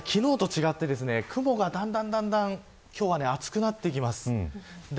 昨日と違って、雲がだんだん今日は厚くなってきます。